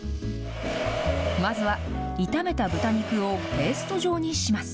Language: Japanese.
まずは、炒めた豚肉をペースト状にします。